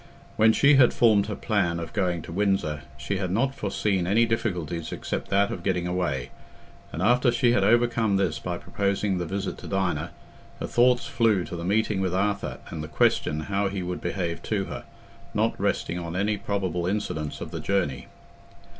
When she had formed her plan of going to Windsor, she had not foreseen any difficulties except that of getting away, and after she had overcome this by proposing the visit to Dinah, her thoughts flew to the meeting with Arthur and the question how he would behave to her—not resting on any probable incidents of the journey.